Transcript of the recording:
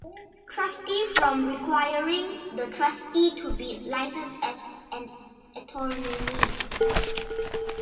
Trustee from requiring the trustee to be licensed as an attorney.